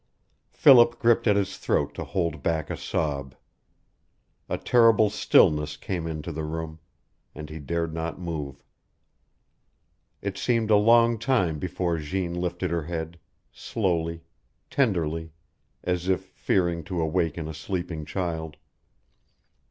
Philip gripped at his throat to hold back a sob. A terrible stillness came into the room, and he dared not move. It seemed a long time before Jeanne lifted her head, slowly, tenderly, as if fearing to awaken a sleeping child.